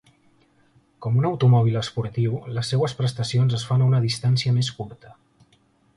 Com un automòbil esportiu, les seues prestacions es fan a una distància més curta.